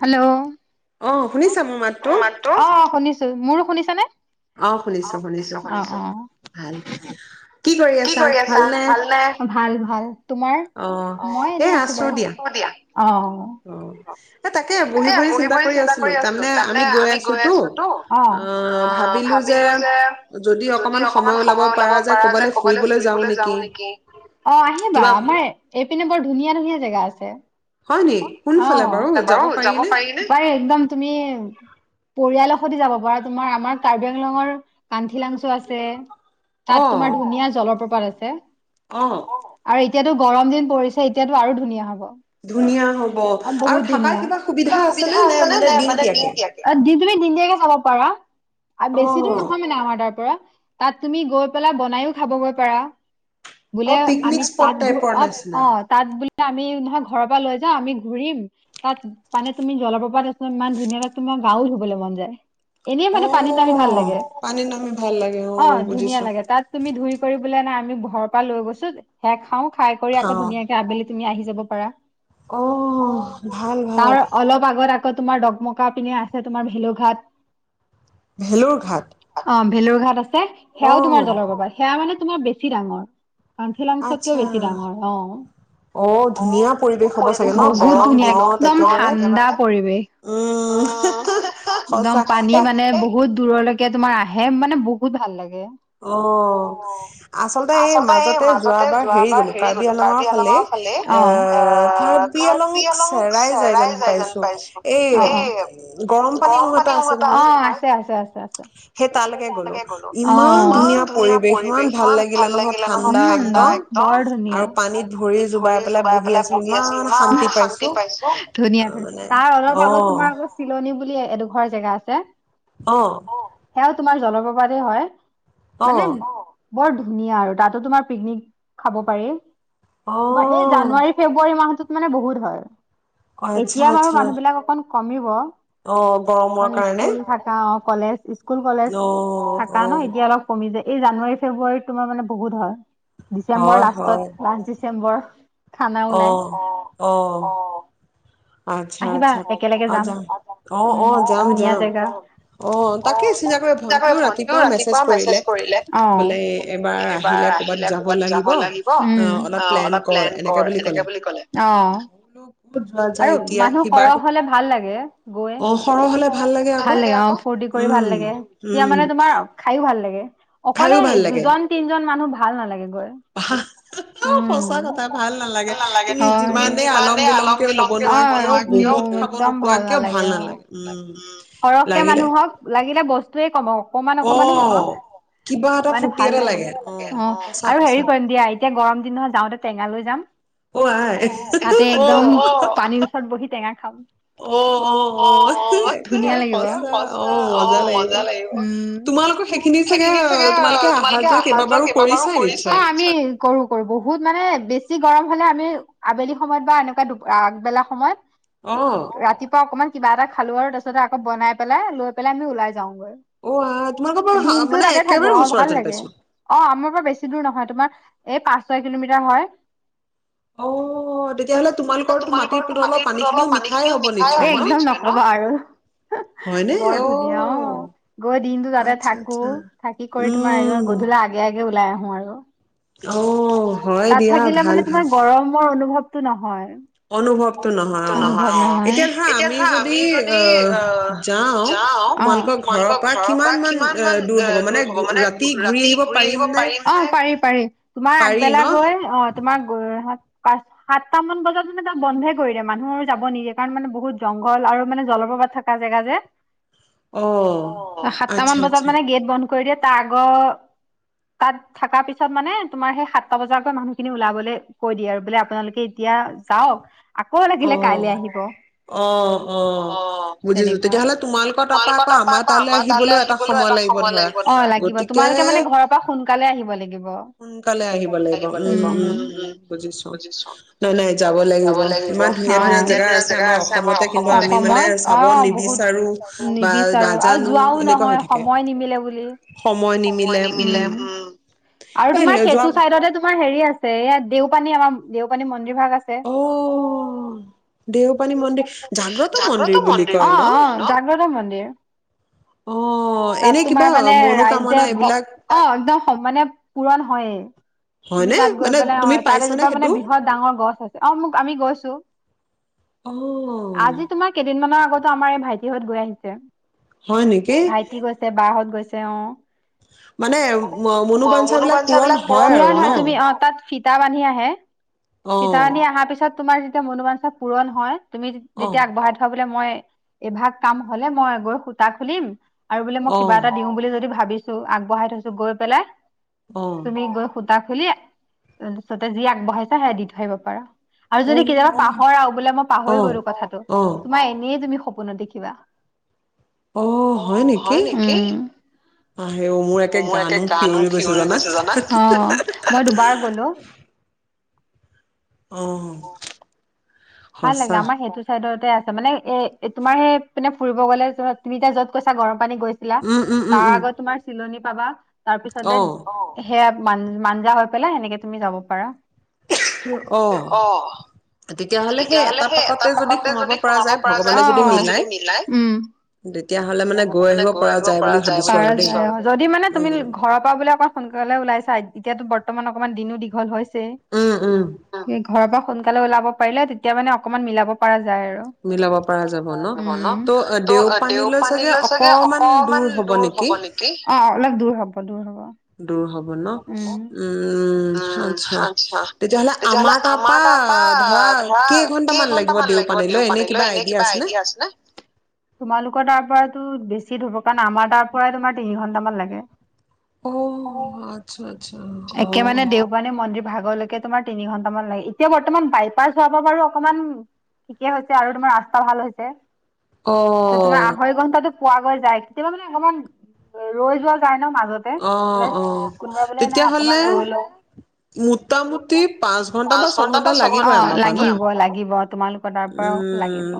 Hello, ' অ', শুনিছো মোৰ, - শুনিছানে? অ', শুনিছো- শুনিছো কি কৰি আছা ভালনে? ভাল- ভাল। তোমাৰ, মই এনেই আছো দিয়া, [unintelligible] তাকে বহি -বহি চিন্তা কৰি আছিলো তাৰে আমি গৈ আছো তো, ভাবিলো যে যদি অকমান সময় ওলাব পাৰা যায়, কবালৈ ফুৰিবলৈ যাও নেকি। অ ', আহিবা, আমাৰ এইপিনে বাৰু, ধুনীয়া -ধুনীয়া জেগা আছে। অ', বাৰু যাব পাৰি নে ', পাৰি একদম তুমি, পৰিয়ালৰ সৈতে যাব পাৰা তোমাৰ আমাৰ কাৰ্বি -আংলঙৰ কানঠিলাংচ আছে। তাত তোমাৰ ধুনীয়া- জলপ্ৰপাত আছে। [unintelligible] অহ', এতিয়াতো গৰম দিন পৰিছে, এতিয়াতো আৰু ধুনীয়া হ'ব। অ', বহুত ধুনীয়া, কিবা সুবিধা আছে নে? মানে দিনতিয়াকে, দিন- দিয়াকে চাবা কৰা, আৰু বেছি দূৰ নহয়, মানে আমাৰ তাৰ পৰা। তাত তুমি গৈ পেলায় বনাইয়ো খাবগৈ পাৰা। বোলে আমি তাত গৈ অ', - অ ', তাত বোলে, আমি নহয় ঘৰৰ পৰা লৈ যাওঁ। আমি ঘুৰিম তাত পানে তুমি জলপ্ৰপাত আছ ইমান ধুনীয়া লৈ তোমাৰ গাও ধুবলৈ মন যায়। এনেই মানে পানীত নামি ভাল লাগে। অ' ধুনীয়া লাগে তাত তুমি ধুই কৰিব বোলে নাই আমি ঘৰৰ পৰা লৈ গৈছো, সেয়া খাওঁ। খাই কৰি আকৌ ধুনীয়াকে আবেলি তুমি আহি যাব পাৰা। অহ ভাল ভাল। কৌ তোমাৰ দকমকা পিনে আছে তোমাৰ ভেলুঘাট। ভেলুৰ ঘাট। ভেলুৰ ঘাট আছে। সেয়াও তোমাৰ জলপ্ৰপাত। সেয়া মানে তোমাৰ বেছি ডাঙৰ। আচ্ছা অ' ধুনীয়া পৰিৱেশ হ'ব চা বহুত ধুনীয়া একদম ঠাণ্ডা পৰিৱেশ। উম হে হে। একদম পানী মানে বহুত। দূৰলৈকে তোমাৰ আহে মানে বহুত ভাল লাগে। অ' আচলতে এই মাজতে যোৱাবাৰ হেৰি গ'লো কাৰ্বি আংলঙৰ ফালে এ অহ কাৰ্বি আলং খেৰাই যাই যেন পাইছোঁ। অ' অ' এই গৰম পানীৰ উঁহ এটা আছে। অ' আছে আছে। সেই তালৈকে গ'লো। অহ। ইমান ধুনীয়া পৰিৱেশ ইমান ভাল লাগিলে নহয় ঠাণ্ডা এক্দম আৰু পানীত ভৰি জুবাই পেলাই বহি আছিলোঁ। ইমান শান্তি পাইছোঁ। ধুনীয়া ধুন, তাৰ অলপ আগত তোমাৰ আগত চিলনি বুলি এডোখৰ জেগা আছে। সেয়াও তোমাৰ জলপ্ৰপাতেই হয়। মানে অহ। বৰ ধুনীয়া আৰু। তাতো তোমাৰ পিকনিক খাব পাৰি। তোমাৰ এই জানুৱাৰী-ফেব্ৰু মাহটোত মানে বহুত হয়। এতিয়া বাৰু মানুহ বিলাক অকণ কমিব। অ' গৰমৰ কাৰণে। কলেজ। স্কুল-কলেজ থাকা ন এতিয়া অলপ কমি যায়। এই জানুৱাৰী-ফেব্ৰুৱাৰীত তোমাৰ মানে বহুত হয়। ডিচেম্বৰ লাষ্টত লাষ্ট ডিচেম্বৰ। [inaudible] খানা ওলাই। অ অ। আচ্ছা আচ্ছা অ যাম অ অ যাম যাম অ তাকে চিন্তা কৰিব ভন্টিও ৰাতিপুৱা মেছেজ কৰিলে বোলে এবাৰ আহিলে ক'ৰবাত যাব লাগিব অ অলপ প্লেন কৰ এনেকে বুলি ক'লে। যা। মানুহ সৰহ হলে ভাল লাগে গৈ ভাল লাগে অ ফূুৰ্তি কৰি ভাল লাগে তেতিয়া মানে তুমাৰ খাইও ভাল লাগে। অকলে দুজন তিনজন মানুহ ভাল ভাল নালাগে। সঁচা কথা ভাল নালাগে তুমি যিমানে আলম বিলমকে নবনোৱা কিয় উ একদম ভাল নালাগে অ সৰহকে মানুহক লাগিলে বস্তুৱে কম হওঁক। অকমান অকমানে হওক মানে ভাল লাগে অ আৰু হেৰি কৰিম দিয়া এতিয়া গৰম দিন নহয় যাওঁতে টেঙালৈ যাম তাতে একদম পানী। বহি টেঙা খাম। অ অ অ ধুনীয়া লাগিব সচা অ মজা লাগিব উম সেইখিনি চাগে তোমালোকে অহা যোৱা কেইবাবাৰো কৰিছোৱা আমি কৰো কৰো বহুত। মানে বেছি গৰম হ'লে আমি আবেলি সময়ত বা এনেকুৱা আগবেলা। সময়। ৰাতিপুৱা অকমান। কিবা এটা খালো আৰু তাৰপাছতে আকৌ বনাই পেলাই লৈ পেলাই আমি ওলাই যা যাওঁগৈ দিনতটো তাতে থাকো অ ভাল লাগে অ আমাৰ পৰা বেছি দূৰ নহয় তোমাৰ এই পাঁচ ছয় কিলোমিটাৰ হয়। অ তেতিয়াহ'লে তোমালোকৰতো মাটিত একদম নকবা আৰু বৰ ধুনীয়া অ গৈ দিনতটো যাতে থাকো থাকি কৰি তোমাৰ গধূলা আগে আগে। ওলাই আহোঁ আৰু। তাত থাকিলে মানে তোমাৰ গৰমৰ অনুভৱ। টো নহয়। ভৱ নহয় এতিয়া ধৰা আমি যদি অ যাও তোমালোকৰ ঘৰৰ পৰা কিমান মান দূৰ হব মানে ৰাতি ঘুৰি আহিব পাৰিম উম পাৰি পাৰি তোমাৰ আগবেলা গৈ অ তোমাৰ পাঁচ সাতটা মান বজাত যদি যাওঁ বন্ধে কৰি দ মানুহৰ যাব নিদিয়ে কাৰণ মানে বহুত জংঘল আৰু মানে জলপ্ৰপাত থকা জেগা যে। অ সাতটা মান বজাত মানে গেট বন্ধ। কৰি দিয়ে তাৰ আগ তাত থকা পিছত মানে তোমাৰ সেই সাতটা বজাতকৈ মানুহ খিনি ওলাবলৈ কৈ দিয়ে আৰু বোলে আপোনালোকে এতিয়া যাওক। আকৌ লাগিলে কাইলে আহিব অ তেনেকুৱা তোমালোকৰ ত আকৌ আমাৰ তালৈ আহিবলৈ এটা সময় লাগিব অ লাগিব তোমালোকে মানে ঘৰৰ পৰা সোনকালে আহিব লাগ সোনকালে আহিব লাগিব উম উম উম বুজিছো নাই নাই যাব লাগি যাব লাগিব ইমান ধুনীয়া ধুনীয়া জেগা আছে আমাৰ অসম অসমত অ বহুত নিবিচাৰো আৰু যোৱাও নহয় সময় নিমিলে বুলি সময় নিমিলে। আৰু তোমাৰ সেইটো চাইডতে তোমাৰ হেৰি- আছে ইয়াত দেউ পানী আাৰ দেউপানী মন্দিৰ- বিভাগ আছে। জাগ্ৰত মন্দিৰ, অ অ জাগ্ৰত মন্দিৰ তাত তোমাৰ মানে ৰাইজে অ একদম মানে- পূৰণ হয়। তুমি তাত গৈ পেলাই অ তাত এজোপা মানে বৃহৎ ডাঙৰ গছ আছে অ মোক- আমি গৈছো, আজি তোমাৰ কেইদিন মানৰ আগত- আমাৰ এই ভাইটিহঁত গৈ আহিছে। ভাইটি গৈছে বা হত গৈছে। আছে অ। মানে মনোবাঞ্ছাাবলাক পূৰণ হয় আৰু ন? সুতা বান্ধি আহে। পিতানি আহ পিছ তোমাৰ যেতিয়া মনোমাঞ্চা পূৰণ হয়- তুমি যেতিয়া আগবঢ়াই থোৱা- মই এভাগ কাম হলে মই গৈ সূতা খুলিম- আৰু বোলে মই কিবা এটা দিওঁ বুলি যদি ভাবি- ছো আগবঢ়াই থৈছো গৈ পেলাই- তুমি গৈ সূতা- খুলি পিছতে যি আগবঢ়াইছো সেয়া দি থৈ আহিব পাৰা। আৰু যদি কেতিয়াবা পাহৰাও বোলে মই পাহৰি গলো কথাটো তোমাৰ এনেই তুমি- আক ন দেখিবা অ হয় নেকি মোৰ একে গানো থিয়ৰি গৈছে জানা মই দুবাৰ গলো- আহঁ। ভাল লাগে আমাৰ সেইটো চাইডত- আছে মানে এ তোমাৰ সেই মানে ফুৰিব গ'লে তুমি এতিয়া য'ত কৈছা গৰম- পানী গৈছিলা তাৰ আগত তোমাৰ চিলনী- পাবা - তাৰ পিছতে অ সেয়া- মান মঞ্জা হৈ পেলাই সেনেকে তুমি যাব পাৰা। অ তেতিয়া- যদি মানে তুমি ঘৰৰ পৰা বোলে অকমান সোনকালে ওলাইছাতি- বৰ্তমান অকমান দিনো দীঘল হৈছে ছে ঘৰৰ পৰা সোনকালে ওলাব পাৰিলে তেতিয়া মানে অকণমান মিলাব পৰা যায় মিলাব পৰা যাব ন ত' দেওপানীলৈ চাগে অকমান দূৰ হ'ব নেকি অলপ দূৰ হ'ব দূৰ হ'ব দুৰ হব ন উম উম উম আছা তেতিয়াহলে আমাৰ তাৰ পৰা ধৰা কেইঘণ্টামান লাগিব দেও পানী এনে কিবা আইডিয়া আছে ন তোমালোকৰ ত বেছি ধুব কাৰণ আমাৰ তাৰ পৰাই তোমাৰ তিনি ঘন্টামান লাগে অ আচ্ছা আচ্ছা একে মানে দেওপানী মন্দিৰ ভাগলৈকে তোমাৰ তিনি ঘন্টামান লাগে এতিয়া বৰ্তমান বাইপাছ হোৱাৰ পৰা বাৰু অকমান ঠিকে হৈছে আৰু তোমাৰ ৰাস্তা ভাল হৈছে অ পোৱা গৈ যায় কেতিয়াবা মানে অকমান ৰৈ যোৱা যায় ন মা অ অ তেতিয়াহলে অকমান ৰয় লম পাচ ঘন্টা বা ছ ঘণ্টা লাগিব তোমালোকৰ তাৰ পৰাও লাগিব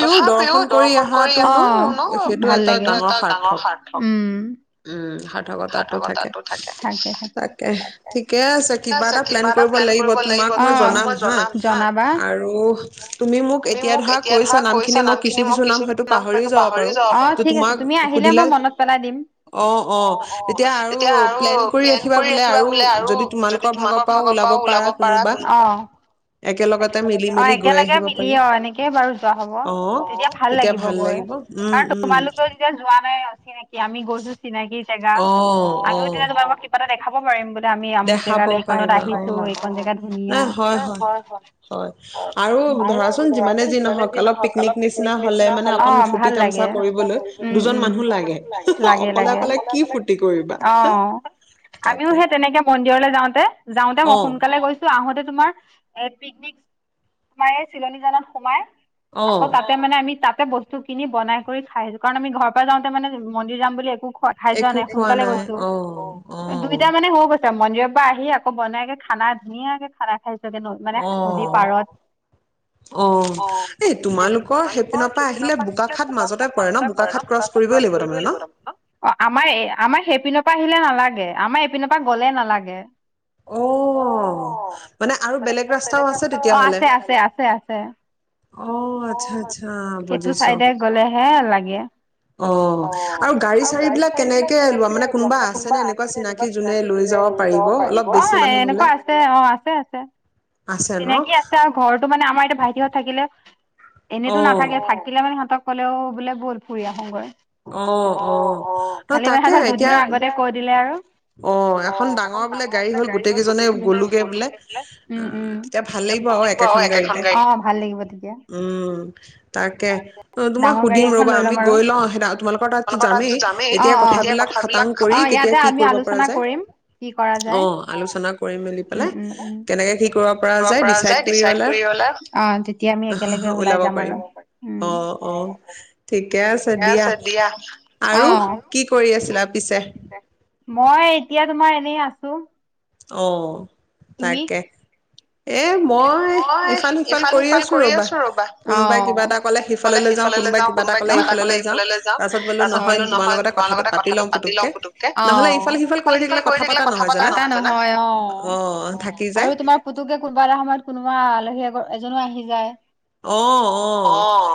তথাপিও দৰ্শন কৰি শু ভাল লাগিল ডাঙৰ সাৰ্থ উম উম সৰ্থকতাটো থাকে তাকে ঠিকে আছে কিবা এটা প্লেন কৰিব লাগিব তোমাক মই জনাম হা আৰু তুমি মোক এতিয়া ধৰা কৈছা নামখিনি মই কিছু কিছু নাম হয় পাহৰি যাব পাৰো তোমাক সুধিলে অ অ তেতিয়া আৰু প্লেন কৰি ৰাখিবা বোলে আৰু যদি তোমালোকৰ ভাগৰ পৰাও ওলাব পাৰা অ একেলগ অ একেলগে মিলি অ এনেকেই বাৰু যোৱা হব তেতিয়া ভাল লাগিব গৈ কাৰণ তোমালোকেও যেতিয়া যোৱা নাই [inaudible] আমি গৈছো চিনাকি আমি তেনেমাৰ ক পা [inaudible] [unintelligible] খাব পাৰিম আমি আমুক জেগালৈ এইখনত আহিছো এইখন জেগা ধুনীয়া হয় হয় আৰু ধৰাচোন যিমানে যি নহওক অলপ পিকনিক নিচিনা ভাল লাগে উম উম লাগে লাগে অ আমিও সেই তেনেকে মন কলৈ যাওঁতে যাওঁতে মই সোনকালে গৈছো আহোতে তোমাৰ এ পিকনিক তোমাৰ এই চিলনী জানত সোমাই আকৌ তাতে মানে আমি তাত বস্তু কিনি বনাই কৰি খাই আছো কাৰণ আমি ঘৰ পৰা যাওঁতে মন্দিৰ যাম বুলি একো একো খোৱা নাই অ আহ মন্দিৰৰ পৰা আহি আকৌ বনাই খানা ধুনীয়াকে খানা মানে পাৰত অ তোমালোকৰ সেইদিনৰ পৰা আহিলে বোকাখাত মাজতে পৰে ন বোকাখাত ক্ৰচ কৰিবই লাগিব তাৰমানে ন আমাৰ আমাৰ সেইপিনৰ পৰা আহিলে নালাগে আমাৰ সেইপিনৰ পৰা গলে নালাগে অ', মানে আৰু বেলেগ ৰাস্তাও আছে তেতিয়াহলে? অ', সেইটো চাইডে গলেহে লাগে। অ। আৰু গাড়ী চাড়ী বিলাক কেনেকে লোৱা মানে কোনোবা আছেনে এনেকুৱা চিনাকি যোনে লৈ যাব পাৰিব? অ', এনেকুৱা আছে অ, আছে আছে। চিনাকি আছে আৰু ঘৰটো মানে আমাৰ ভাইটিহত থাকিলে। এনেইতো নাথাকে থাকিলে মানে সহতক কলেও বোলে বল ফুৰি আহোঁগৈ। অ', ন তাকে এতিয়া দিলে আৰু অ', এখন ডাঙৰ বোলে গাড়ী হ'ল, গোটেই কেইজনে গ'লোগে বোলে। অ', তেতিয়া ভাল লাগিব আৰু একেখন গাড়ীতে। উম, তাকে অ' তোমাক সুধিম ৰ'বা। আমি গৈ লওঁ সেই তোমালোকৰ তাত। আমালোকৰ তাততো যামেই তেতিয়া কথা বেলাক খাটাং ফুৰিব পৰা যাই। অ', আলোচনা কৰিম। কেনেকৈ কি কৰিব পৰা যায়, দেছিদ কৰি অলে ওলাব পাৰিম। অ', অ ঠিকে আছে দিয়া। আৰু কি কৰি আছিলা পিছে? মই এতিয়া তোমাৰ এনেই আছো। অ। তাকে। এ মই ইফাল-সিফাল কৰি আছোঁ ৰ'বা। কোনোবাই কিবা এটা ক'লে সিফাললৈ যাওঁ, কোনোবাই কিবা এটা ক'লে ইফাললৈ যাওঁ। তাৰপাছত বোলোঁ, নহয়, তোমাৰ লগতে কথাটো পাতি লওঁ। পুতুককৈ নহ'লে ইফাল সিফাল কৰি থাকিলে কথা পতা নহয় জানা। হয় অ', আৰু তোমাৰ পুতুকে কোনোবা এটা সময়ত তোমাৰ আলহী আগৰ এজনো আহি যায়। অ', অ',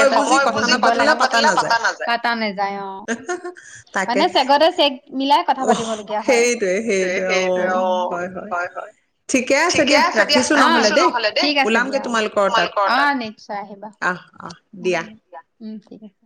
এই সময় বুজি কথা পাতিলে পোৱা নাযায় অ'। মানে চেগতে চেগ মিলাই কথা পাতিব লগীয়া হয়, সেইটোৱেই অ'। হয় হয়, ঠিকে আছে দিয়া। নহ'লে দেই ওলামগে তোমালোকৰ তাত। অ', নিশ্চয় আহিবা। উম, ঠিক আছে।